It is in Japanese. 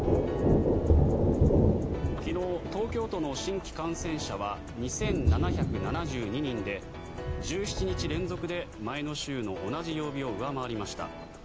昨日、東京都の新規感染者は２７７２人で１７日連続で前の週の同じ曜日を上回りました。